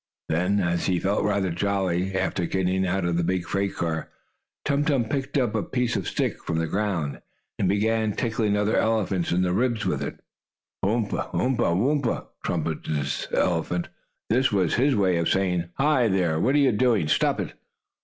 Then, as he felt rather jolly, after getting out of the big freight car, Tum Tum picked up a piece of stick from the ground, and began tickling another elephant in the ribs with it. "Yoump! Umph! Woomph!" trumpeted this elephant. This was his way of saying: "Hi, there! What are you doing? Stop it!"